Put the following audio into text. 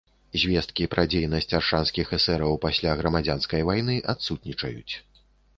Звесткі пра дзейнасць аршанскіх эсэраў пасля грамадзянскай вайны адсутнічаюць.